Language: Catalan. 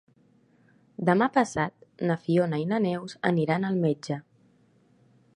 Demà passat na Fiona i na Neus aniran al metge.